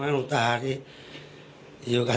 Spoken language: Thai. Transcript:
ฝ่ายกรเหตุ๗๖ฝ่ายมรณภาพกันแล้ว